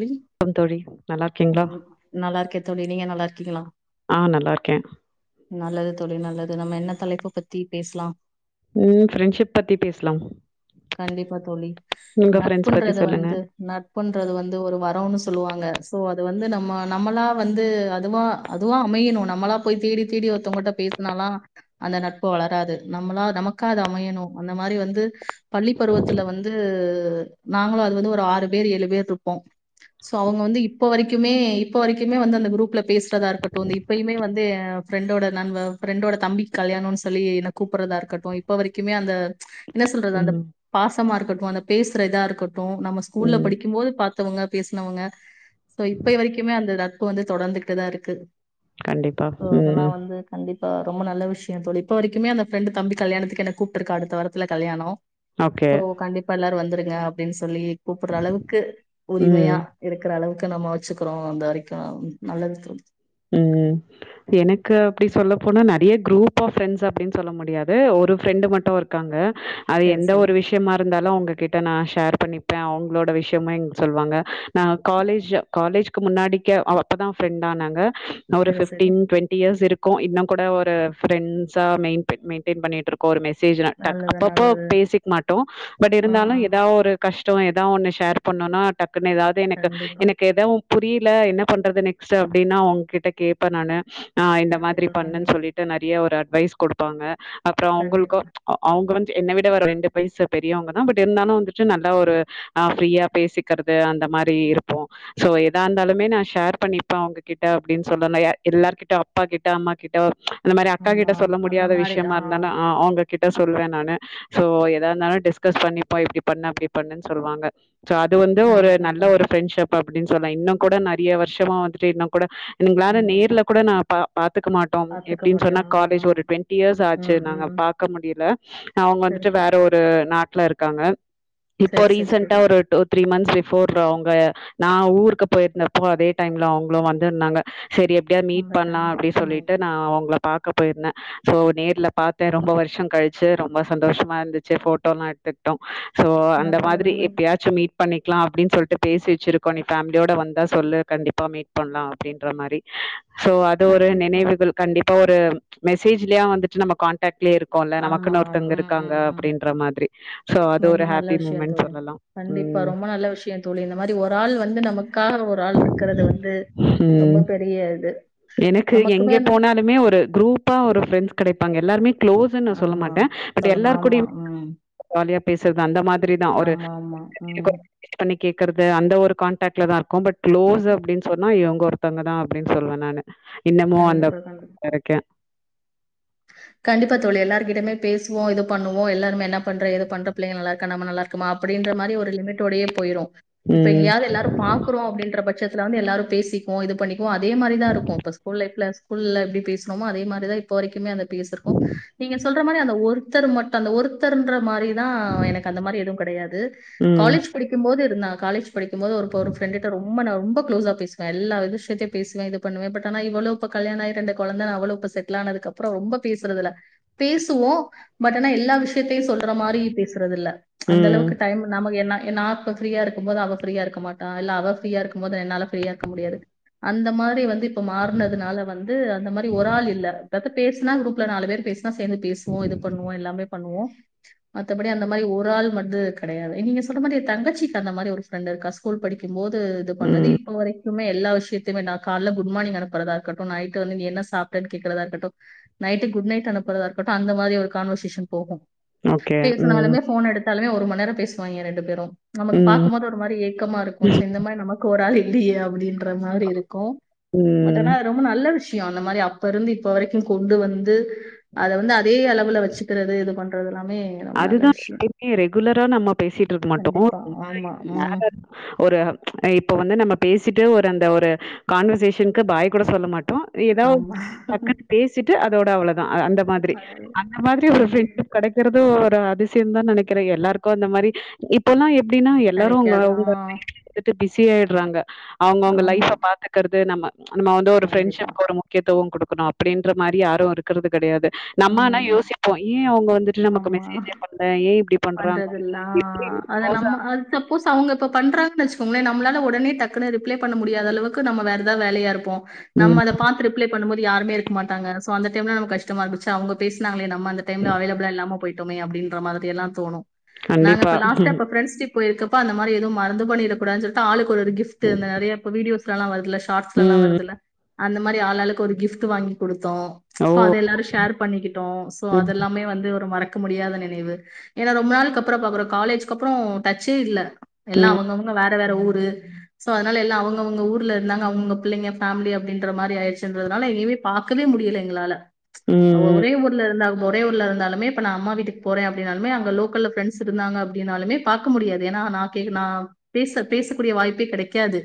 ழி கம் தோழி நல்லா இருக்கீங்களா உம் நல்லா இருக்கே தோழி நீங்க நல்லா இருக்கீங்களா ஆ நல்லா இருக்கே நல்லது தோழி நல்லது நம்ம என்ன தலைப்ப பத்தி பேசலா ம் ஃப்ரெண்ட்ஷிப் பத்தி பேசலாம் கண்டிப்பா தோழி உங்க ஃப்ரெண்ட்ஸ் பத்தி நட்புன்றது சொல்லுங்க வந்து நட்புன்றது வந் வரோனு சொல்லுவாங்க சோ அது வந்து நம்ம நம்மளா வந்து அதுவா அதுவா அமையணு நம்மளா போய் தேடி தேடி ஒருத்தவங்கட்ட பேசுனால்லா அந்த நட்பு வளராது நம்மளா நமக்கா அது அமையணு அந்த மாரி வந்து பள்ளி பருவத்துல வந்து நாங்களு அது வந்து ஒரு ஆறு பேர் ஏழு பேர் போ சோஅவுங்க வந்து இப்ப வரைக்குமே இப்ப வரைக்குமே வந்து அந்த குரூப்ல பேசுறதாருக்கட்டு த இப்பயுமே வந்து ஃப்ரெண்டோட நண்ப ஃப்ரெண்டோட தம்பிக்கு கல்யாணொன் சொல்லி என்ன கூப்பறதாருக்கட்டு இப்ப வரைக்குமே அந்த என்ன சொல்றது அந்த ம் பாசமாருக்கட்டு அந்த பேசுற இதா இருக்கட்டு நம்ம ஸ்கூல்ல ம் படிக்கும்போது பா த்தவங்க பேசுனவங்க சோ இப்பய வரைக்குமே அந்த நட்பு வந்து தொடந்துகிட்டுதா இருக்கு கண்டிப்பா சோ, உம் உம் அதெல்லாம் வந்து கண்டிப்பா ரொம்ப நல்ல விஷ்யொ தோழி இப்ப வரக்குமே அந்த ஃப்ரெண்டு தம்பி கல்யாணத்துக்கு என்ன கூப்ட்டுருக்கா அடுத்த வாரத்துல கல்யாணொ ஓகே போ கண்டிப்பா எல்லாரு வந்துருங்க அப்டின் சொல்லி கூப்புட்றளவுக்கு உரிமையா ம் இருக்குறளவு கு நம்ம வச்சுக்றோ அந்த வரைக்கூ நல்லது தோ ம். எனக்கு அப்டி சொல்லப்போனா நெறைய குரூப் ஆஃப் ஃப்ரெண்ட்ஸ் அப்டின் சொல்ல முடியாது ஒரு ஃப்ரெண்டு மட்டூ இருக்காங்க அது சரி எந்த ஒரு விஷ்யமாருந்தாலூ வுங்க கிட்ட நா ஷேர் பண்ணிப்பே அவுங்களோட விஷ்யமே எங் சொல்வாங்க நா சரி காலேஜ காலேஜ் கு முன்னாடிக்க அவ அப்பதா ஃப்ரெண்டானாங்க ந ஒரு சரி சரி ஃபிஃப்டீன் ட்வெண்டி இயர்ஸ் இருக் கோ இன்னூ கூட ஒரு ஃப்ரண்ட்ஸா மெயின் ப் மெயின்டெயின் பண்ணிட்ருக்கோ ஒரு மெஸ் சேஜா டக் நல்லது அப்போப்போ நல்லது பேசிக் மாட்டோ பட் ஆ இருந்தாலூ ஆ ஏதாவ் ஒரு கஷ் ட்டோ ஏதாவ ஒன்னு ஷேர் பண்ணூன்னா டக் குன்னு ஏதாவ்து எனக்கு கண்டிப்பா எனக்கு எதூம் புரில என்ன பண்றது நெக்ஸ்ட் அப்டின்னா அவுங் கிட்ட கேப்பே நானு ஆ இந்த மாத்ரி கண்டிப்பா பண்ணுன்னு கண்டிப்பா சொல்லிட்டு நெறைய ஒரு அட் வைஸ் குடுப்பாங்க அப்றோ அவுங்குள்கூ கண்டிப்பா அ அவுங்கன் என்ன விட ஒரு ரெண்டு பயசு பெரியவங்கதா பட் இருந்தாலூ வந்துட்டு நல்லா ஒரு ஆ ஃப்ரீயா பேசிக்கறது அந்த மாரி இருப்போ சோ ஏதா இருந்தாலுமே நா ஷேர் பண்ணிப்ப அவுங்ககிட்ட அப்டின் சொல்லல ய எல்லார்கிட்ட அப்பா கிட்ட அம்மா கிட்ட அந்த மாரி அக்கா கிட்ட ஆமா சொல்ல அந்த முடியாத மாரி விஷ்யமா ஆ இருந்தாலூ அ அவுங்கக் கிட்ட சொல்லுவே நானு ஸோ ஏதா இருந்தாலூ டிஸ்கஸ் பண்ணிப்போ இப்டி பண்ணு அப்டி பண்ணு சொல்லுவாங்க சோ அது வந்து ஒரு கண்டிப்பா நல்ல தோழி ஒரு ஃப்ரெண்ட்ஷிப் அப்டின் சொல்லா இன்னோ கூட நெறைய வருஷமா வந்துட்டு இன்னோ கூட நீங்ளான்னு கண்டிப்பா நேர்ல கூட நா பா த்துக்க மாட்டோம் பாத்துக்க எப்டின் முடியு சொன்னா ம் காலேஜ் ஒரு ட்வெண்ட்டி இயர்ஸ் ஆச்சு ம் ம் நாங்க ம் பாக்க முடியல அவங்க சரி வந்துட்டு சரி வேற ஒரு நாட் ட்ல இருக்காங்க இப்போ சரி சரி ரீசெண்ட்டா சரி ஒரு டூ த்ரீ மந்த் பிஃபோர் அவுங்க நா ஊருக்கு போயிருந்தப்போ அதே டைம்ல அவுங்களூ வந்துருந்தாங்க செரி எப்படியாத் மீட் அந்த பணலா டைம் அப்டி ம் சொல்லிட்டு நா உங்கள பாக்க போயிருந்தே சோ நேர்ல பாத்தே ரொம்ப வருஷோ கழிச்சு ரொம்ப சந்தோஷமா இருந்துச்சு ஃபோட்டோலா எடுத்துக்ட்டோ சோ அந்த நல்லது மாரி நல்லது எப்பயாச்சு மீட் பண்ணிக்லா அப்டின்னு சொல்லிட்டு பேசி வெச்சிருக்கோ நீ ஃபேமிலியோட வந்தா சொல்லு கண்டிப்பா மீட் பண்லா அப்டின் ன்ற மாரி சோ அது ஒரு கண்டிப்பா நினைவுகள் கண்டிப் இப்போ ஒரு மெசேஜ்லயே வந்துட்டு நம்ம காண்டெக்ட் ஆமா ம் ம் ம் அப்டின்ற மாதிரி சோ அது ஒரு ரொம்ப நல்ல ஹாப்பி விஷயோ மூமெண்ட் தோழி சொல்லலாம் கண்டிப்பா ம் ரொம்ப நல்ல விஷயோ தோழி இந்த மாரி ஒரு ஆள் வந்து நமக்காக ஒரு ஆள்ருக்கறது வந்து ரொம்ப ம் பெரிய இது எனக்கு நமக்குமே எங்க அந்த போனாலுமே ஒரு குரூப்பா ஒரு ஃப்ரெண்ட்ஸ் கடைப்பாங்க எல்லாருமே க்ளோஸ்ன் நா சொல்ல ஆமா. மாட்டே பட் சொல்லுமா எல்லார் ஆமா. கூடயூ ம். ஜாலியா பேசுறது அந்த மாதிரி தா ஒரு [inaudible] ஆமாமா. ம். கேக்கறது அந்த ஒரு கான்டேக்ட்ல தா இருக்கோ பட் க்ளோஸ் அப்டின் சொன்னா இவங் ஒருத்தங்கதா அப்படின்னு சொல்வ நானு இன்னமு அந்த கண்டிப்பா, இருக்கே கண்டிப்ப தோழி எல்லாருகிட்டையுமே பேசுவோ இது பண்ணுவோ எல்லாருமே என்ன பண்ற ஏது பண்ற பிள்ளைங்கள நல்லாருக்கா நம்ம நல்லாருக்கமா அப்படின்ற மாரி ஒரு லிமிட்டோடையே போயிரு இப்ப ம் இங்கயாது எல்லாரு பாக்றோ அப்டின்ற பட்சத் துல வந்து எல்லாரு பேசிப்போ இது பண்ணிப்போ அதே மாரிதா இருக்கு இப்ப ஸ்கூல் லைப்ல ஸ்கூல்ல எப்படி பேசுனோமோ அதே மாரிதா இப்போ வரைக்குமே அந்த பேசிருக்கோ நீங்க சொல் ற மாரி அந்த ஒருத்தர் மட்டு அந்த ஒருத்தருன்ற மாரி லா எனக்கு அந்த மாரி எதுவு கெடையாது ம் காலேஜ் படிக்கும்போது நா காலேஜ் படிக்கும்போது ஒரு ஒரு ஃப்ரெண்டுட்ட ரொம்ப ரொம்ப க்ளோஸா பேசுவ எல்லா விஷயத்தையு பேசுவே இது பண்ணுவ பட் ஆனா இவளு இப்ப கல்யாண ஆயி ரெண்டு கொழந்தன்னு அவளு ப்ப செட்டில் ஆனதுக்கப்றோ ரொம்ப பேசுறது இல்ல பேசுவோ பட் ஆனா எல்லா விஷயத்தையு சொல்ற மாரி பேசுறது இல்ல அந்த ம் அளவுக்கு டைம் நமக்கு என்ன நா இப்ப ஃப்ரீயா இருக்கும்போது அவ ஃப்ரீயா இருக்க மாட்டா இல்ல அவ ஃப்ரீயா இருக்கும்போது என்னால ஃப்ரீயா இருக்க முடியாது அந்த மாரி வந்து இப்ப மாறுனதுனால வந்து அந்த மாரி ஒரு ஆள் இல்ல அதாது பேசுனா குரூப் ல நாலு பேரு பேசு னா சேந்து பேசுவோ இது பண்னுவோ எல்லாமே பண்ணுவோ மத்தபடி அந்த மாரி ஒரு ஆள் வந்து கெடையாது நீங்க சொல்ற மாரி எ தங்கச்சிக்கு அந்த மாரி ஒரு ஃபிரெண்ட் இருக்கா ஸ்கூல் படிக்குபோது ம் இது பண்ணது இப்ப வரைக் ப்புமே எல்லா விஷயதியுமே நா கால்ல குட் மானிங் அனுப்பறதா ஆகட்டு நைட்டு வந்து நீ என்ன சாப்ட்டன்னு கேக்கறதா ருக்கட்டு நைட்டு குட்நைட் அனுப்புறதா இருக்கட்டு அந்த மாரி ஒரு கான்வர்சேஷன் போகு ஓகே பேச ம் நாலுமே போன் எடுத்தாலுமே ஒரு மண்நேரம் பேச வாங்க ரெண்டு பேரு நமக்கு பாக்கு போது ஒரு மாரி ஏக்கமா இருக்கோ ம் ச்செ இந்த மாரி நமக்கு ஒர் ஆள் இல்லையா அப்படின்னு ஒரு மாரி ருக்கு பட் ம் ஆனா ரொம்ப நல்ல விஷ் அந்த மாரி அப்பருந்து இப்ப வரைக்கு கூ வந்து வந்து அத வந்து அதே அளவுல வச்சுக்கிறது இது பண்றதுலாம் அதுதா [unintelligible] ரெகுலரா நம்ம பேசிட்டு ருக்கு மட்டோ கண்டிப்பா ஆமா ம் [unintelligible] ஒரு இப்ப வந்து நம்ம பேசிட்டு ஒரு அந்த ஒரு கான்வர்சேஷன்க்கு பாய் கூட சொல்ல மாட் ஏதாவது ஆமா டக்குனு பேசிட்டு தோட அவள அந்த மாதிரி அதாவது அந்த மாதிரி ஒரு கண்டிப்பா பிரெண்ட்ஷிப் கெடைக்கறது ஒரு அதிசயோதா நெனைக்கற எல்லாருக்கு அந்த மாரி இப்பல்லா அப்படின்னா எல்லாரு உங்க கிடைக்காது ஆ உங்க [inaudible] பிஸியாயிடுறாங்க அவுங்கவுங்க ஆமா லைஃப்ப பாத்துக்குறது நம்ம நம்முன்ன வந்து ஒர் கண்டிப்பா ஃப்ரெண்ட்ஷி்க்கு ஒரு முக்கியத்துவம் குடுப் க்கணும் அப்டின்ற மாரி யாரு இருக்குறது கெடையாது நம்மன்னா ம் யோசிப்போம் ஈ அவுங்க வந்துட்டு நம்ம க்கு மெசேஜே பண்ற ஏ இப்பிடி பண்றதுல்லா அஹா அத நம்ம தப்போஸ் அவுங்க இப்ப பண்றாங் நனச்சுக்கோங்குலே நம்முனால்ல உடன டக்குன்ன ரிப்ளை பண்ண முடியாதளவுக்கு நம்ம வேற எதாவ் வேலையா இருப்போ நம்ம ம். அத பாத்து ரிப்ளை பண்ணும் போது க்கு யாருமே இருக்க மாட்டாங்க சோ அந்த டைமில்ல கஷ்டமா இருக்கு எச்ச அவுங்க பேசுனாங்லே நம்ம டைம்ல அவைலப்புலா இல்லாம போய்டோமே இப்டின்ற மாதிரில்லா தோணு நாங்க கண்டிப்பா. இப்ப லாஸ்ட்டா இப்ப ஸ்ரெண்ஸ்டிப் போயிருக்கப்ப அந்த மாரி எது மறந்து பணி இருக்குடாதுன்ன சொல்லிட் ஆளுங் ஒரு கிஃப்ட்டு இந்த நெறியா இப்ப வீடியோஸ் லால வருதுல ஷார்ட்ஸ் எல்லா ம். வருதுல்ல அந்த மாதிரி ஆள் ஆளுக்கு ஒரு கிஃப்ட் வாங்கி குடுத் தோ ஓ! அது எல்லாரு ஷேர் பண்ணிக்கிட்டோ சோ ம். அது எல்லாமே வந்து ஒர் மறக் க்க முடியாத நினைவு ஏன்னா ரொம்ப நாளுக்கு அப்புறோ பாக்குறோ காலேஜுக்குஜ அப்புறோ டச்சே இல்ல எல்லா ம். அவுங்கவுங்க வ வேற வேற ஊரு சோ அதுனால எல்லா அவுங்கவுங்க ஊருல்ல இருந்தாங்க அவுங்கவுங்க பிள்ளைங்க ஃபேமிலி அப்பிடின்ற மாதிரி ஆயிருச்சுன்றதுனால எங்கியுமே பாக்கவே முடியல்ல எங்குளால்ல அவ ம். ம். ஒரே ஊர்ல இருந்தா ஒரே ஊருலால இருந்தாலுமே இப்ப நா அம்மா வீட்டுக்கு போறே அப்டின்னாலுமே அங் ங்க லோக்கல்ல ப்ரெண்ட்ஸ் இருந்தாங்க அப்டின்னாலுமே பாக்க முடியாது ஏனா நா கேக் நா பேச பேசக்கூடிய வாய்ப்பே கெடைக்காது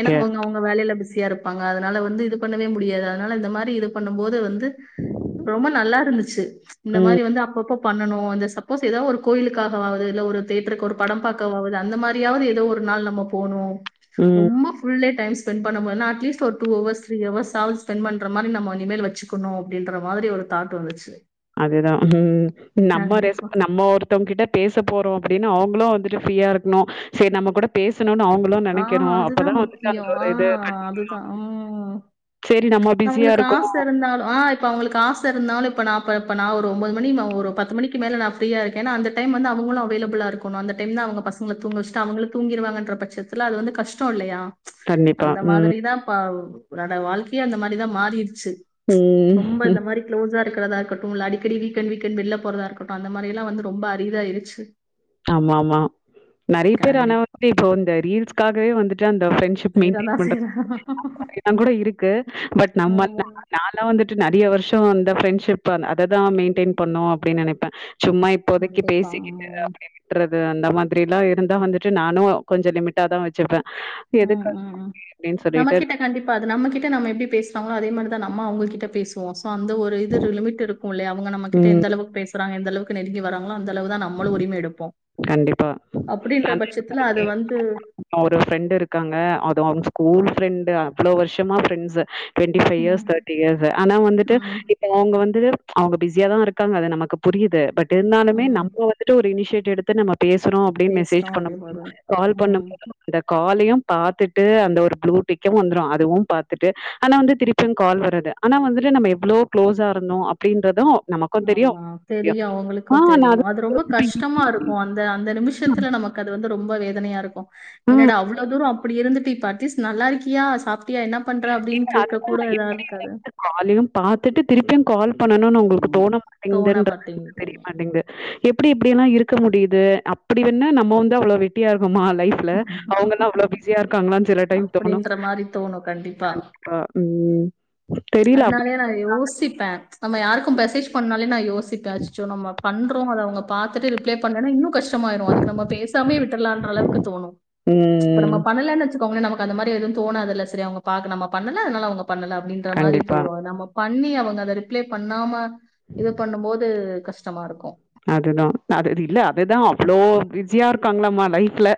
என்ன அவுங்க அவுங்க வேலையில்ல பிஸி ஸியா இருப்பாங்க அதுனால வந்து இது பண்ணவே முடியாது அதுனால இந்த மாரி இது பண்ணும் போது வந்து ரொம்ப நல்லா இருந்துச்சு இந்த ம். மாரி வந்து அப்பப்போ பண்ணனு இந்த சப் போஸ் எதாவுது ஒரு கோயிலுக்காகவகுது இல்ல ஒரு தேட்டருக்கு ஒர் படம் பார்க்கவாது அந்த மாதிரியாவது ஏதோ ஒரு நாள் நம்ம போணும் ம். ரொம்ப ஃபுல்லேட் டைம் ஸ்பெண்ட் பண்ண போது அட்லீஸ் ஒரு டூ ஹவர்ஸ் த்ரீ ஹவர்ஸ்சாது ஸ்பெண் பண்ற மாரி நம்ம இனிமேல் வெச்சுக்குனு அப்பின்ற மாதிரி ஒரு தாட்டு வந்துச்சு அதேதா உம் நம்ம ரெஸ் கண்டிப்பா. நம்ம ஒர் ஒருத்தவங்க கிட்ட பேச போறோ அப்டின்னு அவங்களு வந்துட்டு ஃப்ரீயா இருக்கணு சேரி நம்ம கூட பேச ஆஹ் அதுதா முக்கியோ அந்த ஒரு இது ஆஹ் கண்டிப்பா அதுதா உம் சரி நம்ம பிஸியா அவங்களுக்கு இருக்கோம். ஆச இருந்தாலு ஆஹ் இப்ப அவங்களுக்கு ஆச இருந்தாலு இப்ப நா அப்பப்ப நா ஒரு ஒம்பது மணி ஒரு பத்து மணிக் மேல நான் ஃப்ரீயா இருக்கன்ன அந்த டைம் வந்து அவங்களு அவைலபுளா இருக்கனு அந்த டைம் தா அவங்க பசச்கள தூங்கவச்சிட்டு அவங்களு தூங்கிருவாங்கன்ற பட்சத் துல்ல அது வந்து கஷ்டோ இல்லையா கண்டிப்பா. அந்த ம். மாதிரிதா பா உன்னோட வாழ்க்கையே அந்த மாதிரிதா மாறிடுச்சு ரொம்ப இந்த ம். மாரி க்ளோஸா இருக்குறதா இருக்கட்டு இல்ல அடிக்கடி வீக்கெண்ட் வீக்கெண்ட் வெள்ள போறத இருகட்டு அந்த மாரில்லா வந்து ரொம்ப அரிதாய்ருச்சு ஆம்மாமா நெறைய பேர் ஆனா கண்டிப்பா. வந்து இப்போ வந்த ரீல்ஸ்காகவே வந்துட்டு ப்ரெண்ட்ஷிப் மெயின்டைன் செய்றதான் பண்றது செய்றேன். [inaudible] ல்லா கூட இருக்கு பட் நம்ம ஆமா. [inaudible] நாள வந்துட்டு நெறைய வருஷ அந்த ஃப்ரெண்ட்ஷிப் அததா மெயின்டெய்ன் பண்ணணு அப்படின்னு நினைப்ப சும்மா இப்போதைக்கி கண்டிப்பா. பேசிக்கிட்டு ம். விட்றது அந்த மாதிரில்லா இருந்தா வந்துட்டு நானு கொஞ்சோ லிமிட்டா தா வெச்சுப்ப உம் உம் உம் நம்ம கிட்ட கண்டிப்பா அது நம்ம கிட்ட நம்ம எப்படி பேசு நம்ம அதே மாதிரிதா நம்ம அவங்க கிட்ட பேசுவோ அந்த ஒரு இது லிமிட் இருக்கு இல்லையா அவங்க நம்ம கிட்ட ம். எந்த அளவுக் பேசுறாங்க எந்த அளவுக் நெருங்கி வராங்க அந்த அளவு தா நம்மளு உரிம எடுப்போ கண்டிப்பா. அப்படின்ற நான் பட்சத்துல அது வந்து ஒரு ஃப்ரெண்ட் இருக்காங்க அது அவங்க ஸ்கூல் ப்ரெண்டு் அவ்ளோ வருஷமா ப்ரெட்ண்ஸ் டுவெண்ட்டி ஃபை ம், இயர்ஸ் தேட்டி இயர்ஸ் ஆனா வந்துட்டு ம், இப்ப அவங்க வந்து அவங்க பிஸியா தா இருக்காங்க அது நமக்கு புரியுது பட் இருந்தாலுமே ம். நம் டூ ஒரு இனிஷேட் எடுத்து நம்ம பேசுறோ அப்டின்னு மெசேஜ் பேசுறோம் பண்ண அப்படின்னு முடியு வரும். கால் பண்ண ம். [unintelligible] காலையு பாத்துட்டு அந்த ஒரு ப்ளூ டிக்கு வந்துடு அதுவு பாத்துட்டு ஆனா வந்து திருப்பியு கால் வரது ஆனா வந்துட்டு நம்ம எவ்ளோ க்ளோஸா இருந்தோ அப்படின்றது ஆமா தெரியு அவங்களுக்கு நான் தெரியு அதான் அது ரொம்ப யோசிப்பேன். கஷ்டமா இருக்கு அந்த அந்த நிமிஷத்துல நமக்கு அது வந்து ரொம்ப ரொம்ப வேதனையா இருக்கு என்னடா அவ்ளோ தூரோ அப்படி இருந்துட்டு இப் இப்ப அட்லீஸ்ட் நல்லா இருக்கியா சாப்டியா என்ன பண்ற அப்டின்னு கேட்க கூட அதுதான் எதா எப்படி இருக்காது வந்து காலையும் பாத்துட்டு திருப்பியு கால் பண்ணனு உங்களுக்கு ம் தோண தோண மாட்டேங்கன்றத மாட்டேங்குது தெரிய மாட்டிங்கது இப் ப்ப எப்படியெல்லாம் இருக்க முடியுது அப்படி வண்ண நம்ம வந்து அவ்வளோ வெட்டியா இரு மா லைஃப்ல அவங்கல்லாம் அவ்வளவு பிஸியா இருக்காங்களனு அப்படின்ற மாதிரி தோணும் கண்டிப்பா உம் அதனாலயே நான் யோசிப்பேன் நம்ம யாருக்கும் மெசேஜ் பண்ணாலே ந யோ சிப்பா [unintelligible] நம் பண்றோம் அதை அவங்க பாார்த்தட்டு ரிப்ளை பண்ணா இன்னும் கஷ்டமாயிரும் அதுக்கு நம்ம பேசாமே விட்டுலாம் அளவுக்கு தோணும் இ ம். நம்ம பண்ணல நமக்கு அந்த மாரி எதும் தோனாதுல்ல சரி நம்ம பண்ணல அவங்க பண்ணல அந்த மாரி கண்டிப்பா. போயிரும் நம்ம பண்ணி அவங்க அதை ரிப்ளை பண்ணாம இது பண்ணும் போது கஷ்டமா இருக்கும் அதுதான் அது இல்ல அதுதான் அவ்வளோ பிஸியா இருக்காங்களம்மா லைஃப்ல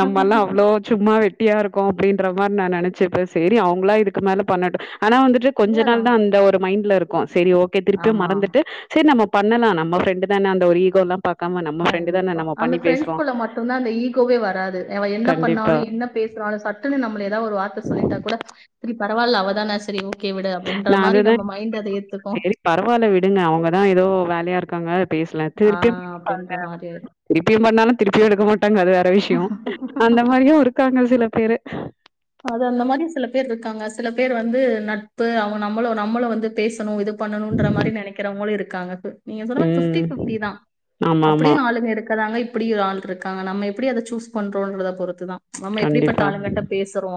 நம்மல்லாம் அவ்வளவு சும்மா வெட்டியா இருக்கோம் அப்படின்ற மாரி நான் நினைச்சேப்ப சரி அவங்களா இதுக்கு மேல பண்ணட்டும் ஆனா வந்துட்டு கொஞ்ச நாள் அவ்வளவுதான் தான் அந்த ஒரு மைண்ட்ல இருக்கு சரி ஓகே திருப்பியும் ஆமா மறந்துட்டு சரி நம்ம பண்ணலாம் நம்மஃப்ரண்ட் தான அந்தோ ஈகோல்லா கண்டிப்பா அந்த பிரப்ரெண்ட்ஸ்குள்ள மட்டும்தா அந்த ஈகோவே வராது அவ என்ன கண்டிப்பா. பண்ணாலும் என்ன பேசுறாலும் சட்டுன்னு நம்மள ஏதாவ ஒரு வார்த்தை சொல்லிட்டா கூட சரி பரவில்ல அவதானா சரி ஓகே விடு அப்படின்ற நா மாரி அததா நம்ம மைண்ட் அத [inaudible] ஏத்துக்கும். சேரி பரவால்ல் விடுங்க அவங்கதா எதோ வேல்யா இருக்காங்க பேஸ்லா ஆ திருப்பியு அப்படின்ற மாரி ஆயிரும். திருப்பியு பண்ணாலு திருப்பியு எடுக்க மாட்டாங்க அது வேற டவிஷ்யோ அந்த மாரியு இருக்காங்க சில பேரு அது அந்த மாரி சில பேர் இருக்காங்க சில பேர் வந்து நட்பு அவ்ங்க நம்மளு நம்மளு வந்து பேசணு இது பண்ணணுன்ற மாரி நெனக்கிறவங்களு இருக் காங்க தோ நீங்க சொல்ற ஃபிப்டி ம். ஃபிப்டி தா ஆமாமா. அப்படியு ஆளுங்க இருக் சொல்றாங்க இப்புடி ஒரு ஆள் இருக்காங்க நம்ம எப்டி அத சூஸ் பண்றோ அப்டின்றத பொறுத்து தா கண்டிப்பா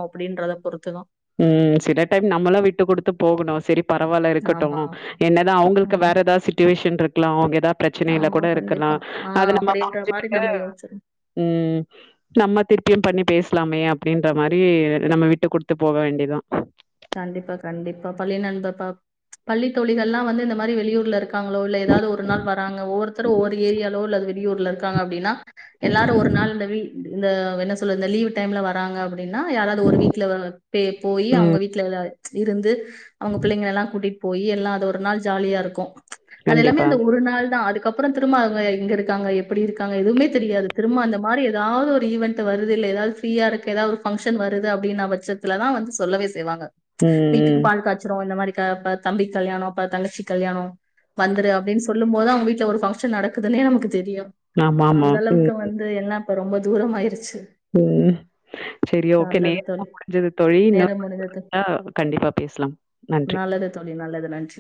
அப்டின்றத பொறுத்துதா ம் சில டைம் நம்மளா விட்டு குடுத்து போகணு செரி பரவால்ல இருக்கட்டு ஆமா. என்னதா அவுங்கள்க்கு ம். வேற ஏதாது சிட்டுவேஷன் இருக்கலா அவ்ங்க ஏதாத் ப்ரச்சனைல ஆமா, கூட இருக்கலா கண்டிப்பா. ஆ அத நம்ம அப்படின்ற மாரி புரிஞ்சிகிட்டு நம்ம யோசிச்சிரும். ம் நம்ம திருப்பியு பண்ணி பேஸ்லா மே அப்டின்ற மாரி நம்ம விட்டு குடுத் து போக வேண்டியதா கண்டிப்பா கண்டிப்பா பள்ளி நண்ப பாப் பள்ளி தோழிகள்லா வந்து இந்த மாரி வெளியூர்ல இருக்காங்ளோ இல்ல ஏதாது ஒரு நாள் வராங்க ஒவ்வொருத்தர் ஒவ்வொரு ஏரியாலோ இல்லது வெளியூர்ல இருக்காங்க அப்டின்னா எல்லாரு ஒரு நாள் இந்த வீ் இந்த என்ன சொல்றது இந்த லீவு டைம்ல வராங்க அப்புடு டின்னா யாராது ஒரு வீட்ல வ பே போயி அவுங்க ம். வீட் ட்ல எல்லாரு இருந்து அவுங்க பிள்ளைங்கள்லா கூட்டிட்டு போயி எல்லா அது ஒரு நாள் ஜாலியா இருக்கு அது எல்லாமே கண்டிப்பா. அந்த ஒரு நாள்தா அதுக்கப் அப்றோ திரும்ப அவ்ங்க எங்க இருக்காங்க எப்டி இருக்காங்க எதுமே தெரியாது திரும்ப அந்த மாரி ஏதாவ்து ஒரு ஈவன்ட்டு வருது இல்ல ஏதாது ஃப்ரீயா இருக்கு ஏதாவ்து ஒரு ஃபங்க்ஷன் வருது அப்டின்னா பட்ச்சத்துல தா வந்து சொல்லவே செய்வாங்க ம், வீட்டுக்கு ம். பால் காச்சுறோ அந்த மாரி க ப தம்பிக்கு கல்யாணோ ப தங்கச்சிக்கு கல்யாணோ வந்துரு அப்டின் சொல்லும்போது அவவ்ங்க வீட்டல ஒரு ஃபங்க்ஷன் நடக்குதுனே நமக்கு தெரியு ஆமாமா. அந்த அளவுக்க ம், வந்து என்னப் ரொம்ப தூரமாயிர்ச் ம் செரி ஓகே நல்லது நேரமோ தோழி. முடிஞ்சிது தோழி இன்னொரு நேரம் வாய்ப்பு முடிந்தது. கெடச்சா அ கண்டிப்பா பேஸ்லா நன்றி நல்லது தோழி. நல்லது. நன்றி.